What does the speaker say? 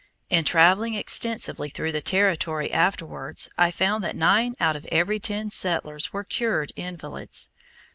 In traveling extensively through the Territory afterwards I found that nine out of every ten settlers were cured invalids.